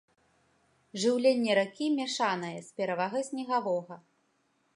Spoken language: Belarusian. Жыўленне ракі мяшанае, з перавагай снегавога.